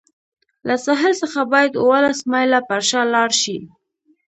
له ساحل څخه باید اوولس مایله پر شا لاړ شي.